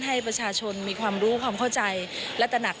ให้ประชาชนมีความรู้ความเข้าใจและตระหนัก